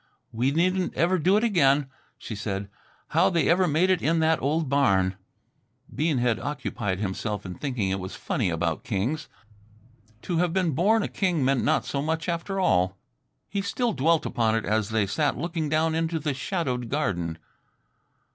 "We needn't ever do it again," she said. "How they ever made it in that old barn " Bean had occupied himself in thinking it was funny about kings. To have been born a king meant not so much after all. He still dwelt upon it as they sat looking down into the shadowed garden.